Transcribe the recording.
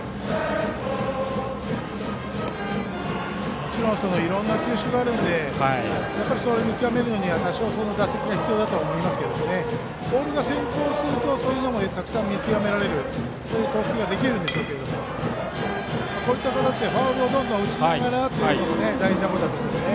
もちろん、いろんな球種があるので見極めるには多少打席が必要だと思いますけどボールが先行するとたくさん見極められるそういうことができるでしょうけどファウルをどんどん打ちながらというのが大事なことだと思いますね。